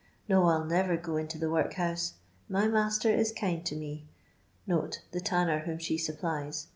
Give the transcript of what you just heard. No, I 'U never go into the workhouse ; my master is kind to me" [the tanner whom she supplies].